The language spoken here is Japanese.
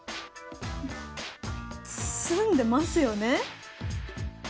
詰んでますよね？